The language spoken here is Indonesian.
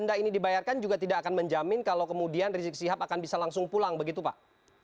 denda ini dibayarkan juga tidak akan menjamin kalau kemudian rizik sihab akan bisa langsung pulang begitu pak